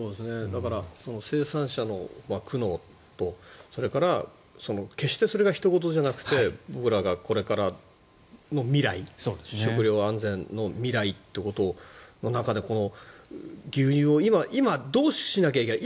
生産者の苦悩とそれから決してそれがひと事じゃなくて僕らがこれからの未来食料安全の未来ってことの中で牛乳を今、どうしなきゃいけない